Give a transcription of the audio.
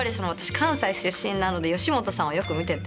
関西出身なので吉本さんをよく見てて。